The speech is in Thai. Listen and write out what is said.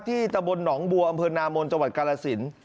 ตะบลหนองบัวอำเภอนามนจังหวัดกาลสิน